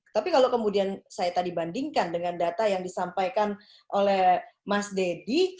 tapi kalau kemudian saya tadi bandingkan dengan data yang disampaikan oleh mas deddy